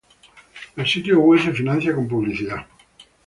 El sitio web se financia con publicidad.